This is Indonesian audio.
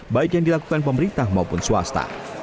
baik yang dilakukan pemerintah maupun swasta